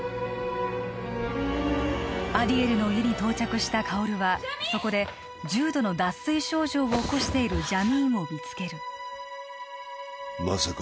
アディエルの家に到着した薫はそこで重度の脱水症状を起こしているジャミーンを見つけるまさか